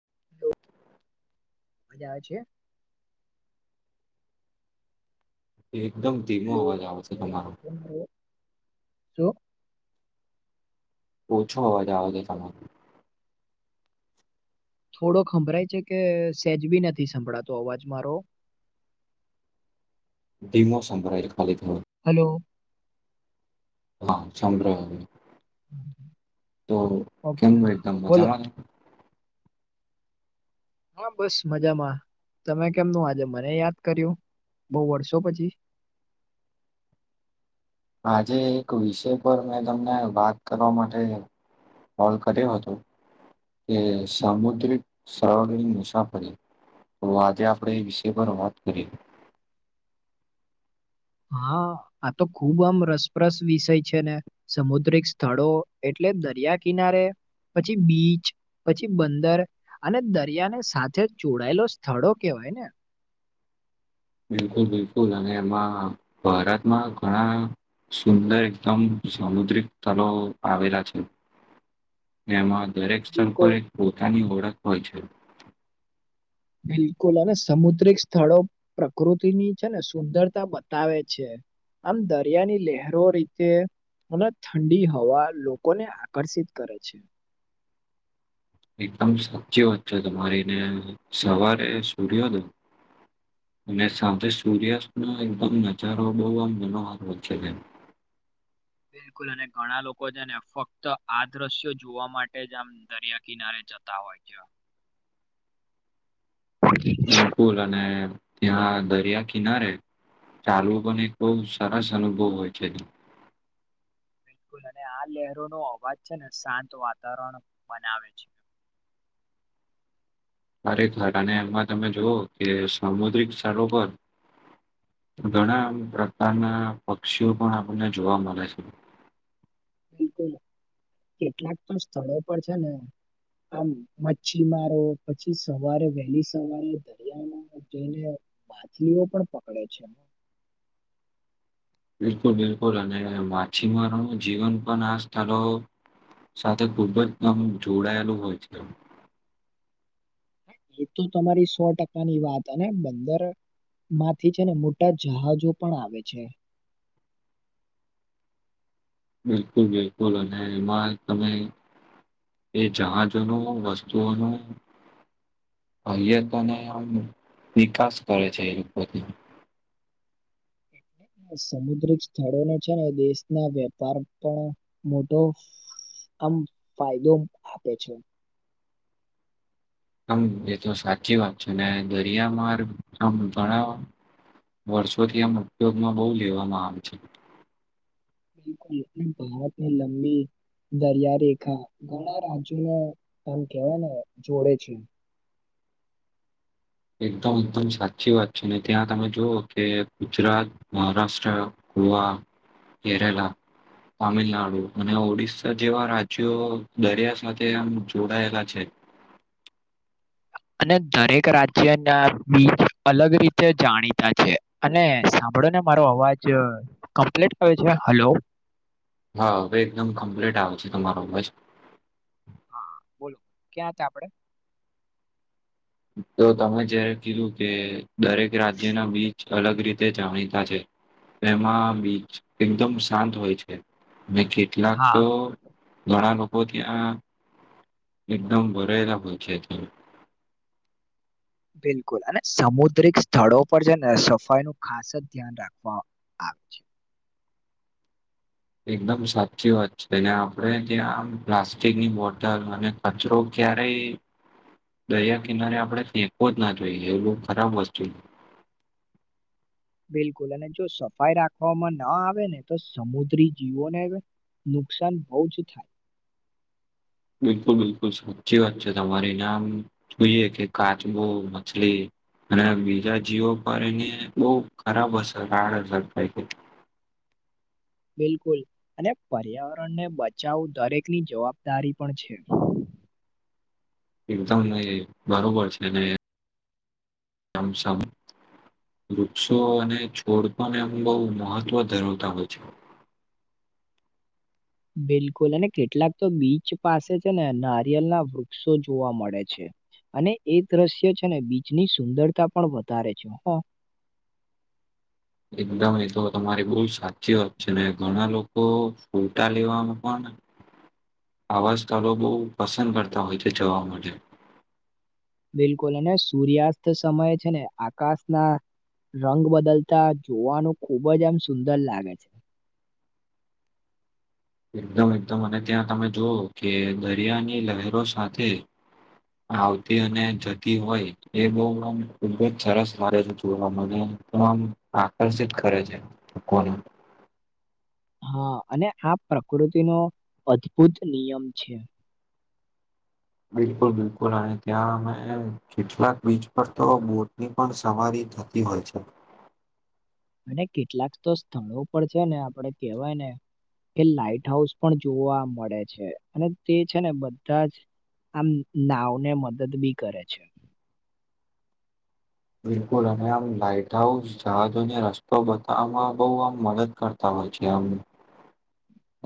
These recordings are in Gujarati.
[inaudible] મજા આવે છે. એકદમ ધીમો અવાજ આવે છે તમારો. જો ઓછો અવાજ આવે છે તમારો થોડોક હભરાય છે કે સહેજ બી નથી સંભળાતો અવાજ મારો [inaudible] ધીમો સંભળાય ખાલી હલો. હા સંભળાય તો ઓકે કેમ હા એકદમ બોલો મજામાં હા બસ મજામાં તમે કેમનું આજે મને યાદ કર્યું. બહુ વર્ષો પછી આજે એક વિષય પર મેં તમને વાત કરવા માટે કોલ કર્યો હતો. કે સામુદ્રિક સરવળની મુસાફરી તો આજે આપણેે એ વિષય પર વાત કરીએ. [inaudible] હા આ તો ખુબ આમ રસપ્રસ વિષય છે ને સમુદ્રિક સ્થળો એટલે દરિયા કિનારે પછી બીચ પછી બંદર અને દરિયાની સાથે જોડાયેલો સ્થળો કેવાય ને. બિલકુલ બિલકુલ અને એમાં ભારતમાં ઘણા સુંદર એકદમ સામુદ્રિક સ્થળો આવેલા છે એમાં દરેક સ્થળ બિલકુલ પર એક પોતાની ઓળખ હોય છે. બિલકુલ અને સમુદ્રિક સ્થળો પ્રકૃતિની છે ને સુંદરતા બતાવે છે. આમ દરિયાની લહેરો રીતે અને ઠંડી હવા લોકોને આકર્ષિત કરે છે. એકદમ સાચી વાત છે તમારીને સવારે સુર્યોદ અને સાંજે સૂર્યાસ્ત નો એકદમ નજારો બો આમ મનોહાર હોય છે. [inaudible] બિલકુલ અને ઘણા લોકો છે ને ફક્ત આ દ્રશ્યો જોવા માટે જ આમ દરિયા કિનારે જતા હોય જેવા વિપુલ અને ત્યાં દરિયા કિનારે ચાલવું પણ એક બો સરસ અનુભવ હોય છે. [inaudible] બિલકુલ અને આ લહેરો નો અવાજ છે ને શાંત વાતાવરણ બનાવે છે. [inaudible] અરે ઘર અને એમાં તમે જોવો કે સામુદ્રિક સ્થળો પર ઘણા પ્રકારના પક્ષીઓ પણ આપણને જોવા મળે છે. બિલકુલ કેટલાક પણ સ્થળો પર છે ને આમ મચ્છી મારો પછી સવારે વહેલી સવારે દરિયામાં જઈને માછલીઓ પણ પકડે છે એમાં બિલકુલ બિલકુલ અને માછીમારો જીવન પણ આસ્થલો સાથે ખૂબ જ આમ જોડાયેલું હોય છે. એ તો તમારી સો ટકાની વાત અને બંદર માંથી છે ને મોટા જહાજો પણ આવે છે બિલકુલ બિલકુલ અને એમાં તમે એ જહાજોનું વસ્તુઓનું અહી તને વિકાસ કરે છે એપતિ [inaudible] સમુદ્રિક સ્થળોને છે ને દેશના વેપાર પણ મોટો આમ ફાયદો આપે છે. એ તો સાચી વાત છે ને દરિયામાં ભણ વર્ષોથી આમ ઉપયોગમાં બહુ લેવામાં આવે છે. બિલકુલ [unintelligible] દરિયા રેખા ઘણા રાજ્યોમાં કેવા ને જોડે છે. [inaudible] એકદમ એકદમ સાચી વાત છે ને ત્યાં તમે જુઓ કે ગુજરાત મહારાષ્ટ્ર ગોવા હા કેરળ તામિલનાડુ અને ઓડિસ્સા જેવા રાજ્યો દરિયા સાથે આમ જોડાયેલા છે [inaudible] અને દરેક રાજ્ય ના બીજ અલગ રીતે જાણીતા છે અને સાંભળો ને મારો અવાજ ક્પ્લીટ કર છે હલો હા હવે એકદમ કમ્પ્લીટ આવે છે તમારો બસ હા બોલો ક્યાં છે આપડે હ તો તમે જયારે કીધું કે દરેક રાજ્યના બીચ અલગ રીતે જાણીતા છે એમાં બીચ એકદમ શાંત હોય છે મે કેટલાક હા તો ઘણા લોકો ત્યાં એકદમ ભરાયેલા હોય છે ત બિલકુલ અને સમુદ્રિક સ્થળો પર છે ને સફાઈ ન ખાસ જ ધ્યાન રાખવા હા છે એકદમ સાચી વાત છે અનેને આપડણે ત્યાં આમ પ્લાસ્ટિકની બોટલ અને કચરો ક્યારે દરિયા કિનારે આપણે ફેંકવો જ ના જોઈએ એ બું ખરાબ વસ્તુ [inaudible] બિલકુલ અને જો સફાઈ રાખવામાં ના આવે ને તો સમુદ્રી જીવો ને આવે નુકસાન બહુ જ થાય બિલકુલ બિલકુલ સાચી વાત છે તમારી નામ જોઈએ કે કાચબો મછલી અને બીજા જીવો પર એની બહ ખરાબ અસર આડ અસર થાય છે [inaudible] બિલકુલ અને પર્યાવરણને બચાવું દરેકની જવાબદારી પણ છે [inaudible] એકદમ નહી બરોબર છે ને શમ શમ વૃક્ષો અને છોડ પણને એમ બહુ મહત્વ ધરાવતા હોય છે [inaudible] બિલકુલ, અને કેટલાક તો બીચ પાસે છે ને નારિયળ ના વૃક્ષો જોવા મળે છે. અને એ દ્રશ્ય છે ને બીચની સુંદરતા પણ વધારે છે, હા. એકદમ એતો તમારી બઉુ સાચી વાત છે, ને ઘણા લોક તો ફોટા લેવાવામાં પણ આવા સ્થળો બોવ પસંદ કરતા હોય છે, જવા માટે બિલકુલ અને સૂર્યાસ્ત સમય છે ને આકાશ ના રંગ બદલતા જોવાનું ખુબજ આમ સુંદર લાગે છે. એકદમ એકદમ અને ત્યાં તમે જોવ કે દરિયાની લહેરો સાથે આવતી અને જતી હોય એ બો આમ ખુબજ સરસ લાગે છે, જોવા મને તો આમ આકર્ષિત કરે છે, લોકોને હા અને આ પ્રકૃતિનો અદભુત નિયમ છે. બિલકુલ, બિલકુલ અને ત્યાં અમે કેટલાક બીચ પર તો બોટની પણ સવારી થતી હોય છે. અને કેટલાક તો સ્થળો પર છે ને આપડે કવાય ને કે લાઈટ હાઉસ પણ જોવા મળે છે અને તે છે ને બધાજ આમ નાવને મદદ બી કરે છે. બિલકુલ અને આમ લાઈટ હાઉસ જહાજોને રસ્તો બતાવવામાં બોવ આમ મદદ કરતા હોય. [unintelligible] આમ. હ [unintelligible]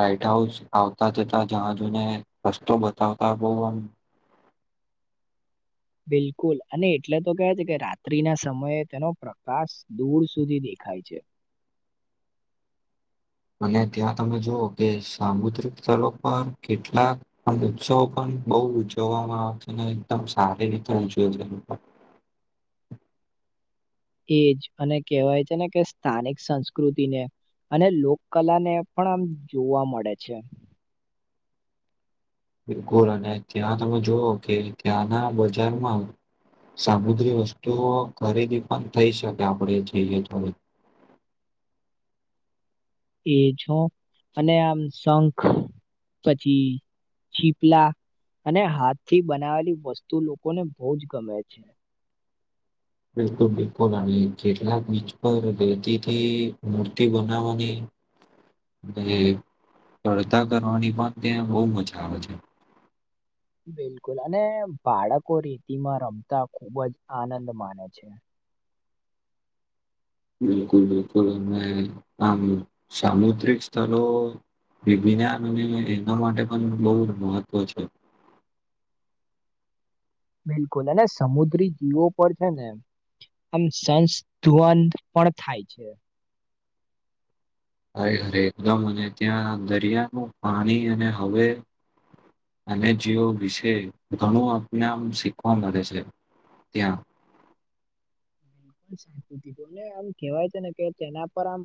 લાઈટ હાઉસ આવતા જતા જહાજોને રસ્તો બતાવતા બો આમ બિલકુલ અને એટલે તો કેવા છે, કે રાત્રી ના સમયે તેનો પ્રકાશ દૂર સુધી દેખ ખાય છે. અને ત્યાં તમે જોુઓ કે સામુદ્રિક સ્થળો પર કેટલાક ઉત્સવ પણ બોવ ઉજવવામાં આવે છે, ને એકદમ સારી રીતે ઉજવે છે એ. [inaudible] એજ અને કહેવાય છે ને કે સ્થાનિક સંસ્કૃતિને અને લોક કલા ને પણ આમ જોવા મળે છે. બિલકુલ અને ત્યાં તમે જોુવો કે ત્યાંના બજારમાં સામુદ્રી વસ્તુઓ ખરીદી પણ થઈ શકે આપડે જઈએ ત્યાંરે [inaudible] એ છો અને આમ શંખ પછી છીપલા. અને હાથ થી બનાવેલી વસ્તુ લોકોને બોજ ગમે છે. બિલકુલ બિલકુલ અને કેટલાક બીચ પર રેતીથી મૂર્તિ બનાવવાની. હ [unintelligible] એ ચડતા કરવાની પણ ત્યાં બોવ મજા આવે છે. બિલકુલ અને બાળકો રેતીમાં રમતા ખુબજ આનંદ માને છે. બિલકુલ બિલકુલ અને આમ સામુદ્રિક સ્થળો [unintelligible] અને એમના માટે પણ બો મહત્વ છે. [inaudible] બિલકુલ અને સમુદ્રી જીવો પર છે ને આમ સંસ્ ધુવનધ પણ થાય છે. અરે અરે એકદમ અને ત્યાં દરિયાનું પાણી અને હવે અને જીવો વિશે, ઘણું આમ આપણે શીખવા મળે છે. ત્યાં. [unintelligible] આમ કવાય છે ને કે તેના પર આમ.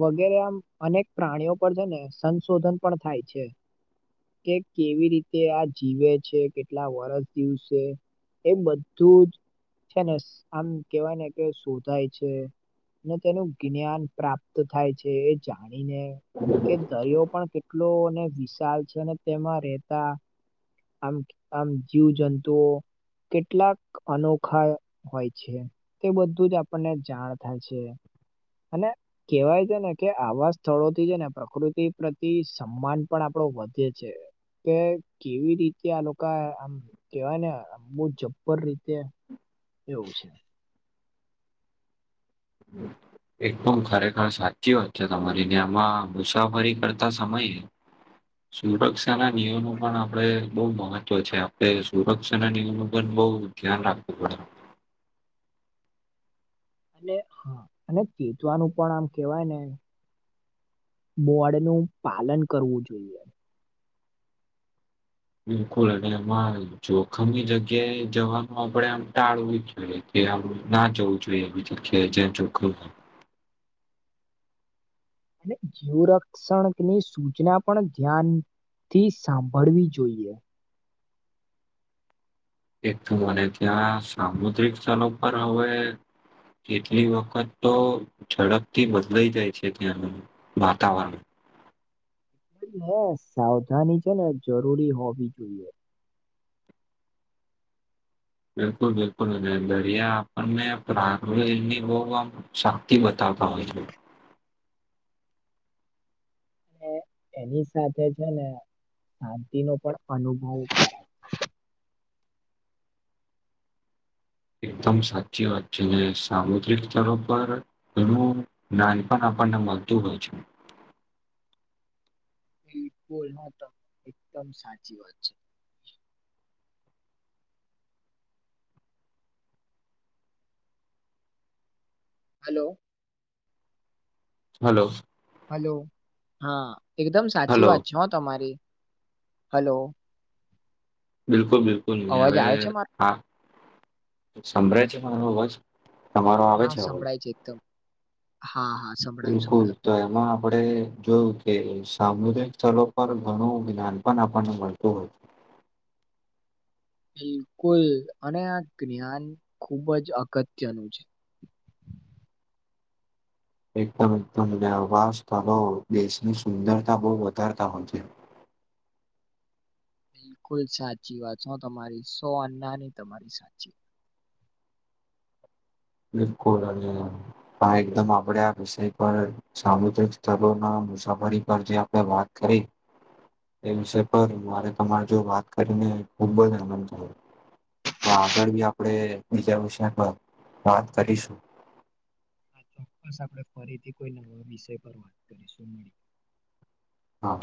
વગેરે આમ અનેક પ્રાણીઓ પર છે ને સંશોધન પણ થાય છે. કે કેવી રીતે આ જીવે છે કેટલા વરષ દિવસે. એ બધું જ છે ને આમ. કેહેવાય ને કે શોધાય છે ને તેનું જ્ઞાન પ્રાપ્ત થાય છે એ જાણે. કે દરિયો પણ કેટલો વિશાલ છે તેમાં રહેેતા. આમ આમ જીવ જંતુઓ. કેટલાક અનોખા હોય છે. તે બધું જ આપણને જાણ થાય છે. અને કેહેવાય છે ને કે આવા સ્થળોથી છે ને પ્રકૃતિ પ્રતિ સન્માન પણ આપડો ઓ વધે છે. કે કેવી રીતે આ લોકા આમ કેવાય ને આ બહુ જઝ્પર રીતે. લોજ. એકદમ ખરેખર સાચી વાત છે તમારીને આમાં મુસાફરી કરતા સમય. સુરક્ષા ના નિયમો પણ આપડે બહુ મહત્વ છે આપણે સુરક્ષાના નિયમનું પણ. બહુ ધ્યાન રાખતું પડે. [inaudible] અને હા અને ચીતવાનું પણ આમ કેહેવાય ને. મોડ નું પાલન કરવું જોઈએ. બિલકુલ અને એમાં જોખમી જગ્યાએ જવાનું આપણેે આમ ટાળવું જોઈએ. એ આમના જવું જોઈએ બીજું કે જે જોખ. અને જીવ રક્ષણની સૂચના પણ ધ્યાન થી સાંભળવી જોઈએ એક તો મને ત્યાં સામુદ્રિક સ્થળો પર હવે કેટલી વખત તો ઝડપથી બદલાઈ જાય છે ત્યાંનું વાતાવરણ હ સાવધાની છે ને જરૂરી હોવી જોઈએ બિલકુલ બિલકુલ અને દરિયા આપણને પ્રાગવેલની બહુ આમ શક્તિ બતાવે બતાવે છે [inaudible] એ એની સાથે છે ને શાંતિનો પણ અનુભવ છે એકદમ સાચી વાત છે ને સામુદ્રિક સ્તરો પર ઘણું નાનપણ આપણને મળતું હોય છે [inaudible] બિલકુલ ના તમારી એકદમ સાચી વાત છે હલો હલો હલો હા એકદમ સાચી હલો વાત છે હો તમારી હલો બિલકુલ બિલકુલ નહી અવાજ હવે આવે છે મારો? હા સંભળાય છે પણ મારો અવાજ તમારો આવે હા છે આવાજ સંભળાય એકદમ હા હા સંભળાયું બિલકુલ સંભળાયું તો બોલો બોલો. એમાં આપડે જોયું કે સામુદાયિક સ્થળો પર ઘણું જ્ઞાન પણ આપણને મળતું હોતું [inaudible] બિલકુલ અને આ જ્ઞાન ખુબ જ અગત્યનું છે [inaudible] એકદમ એકદમ અને આવા સ્થળો દેશની સુંદરતા બઉ વધારતા હોય છે [inaudible] બિલકુલ સાચી વાત છે હો તમારી સો આન્નાની તમારી સાચી વાત બિલકુલ અને પણ એકદમ આપડે આ વિષય પર સામુદ્રિક સ્થળોના મુસાફરી પર જે આપણે વાત કરી એ વિષય પર મારે તમારી જોડે વાત કરીને ખુબ જ આનંદ થયો તો આગળ બી આપણેે બીજા વિષય પર વાત કરીશું આ ચોક્કસ આપણે ફરીથી કોઈ નવા વિષય પર વાત કરીશું હા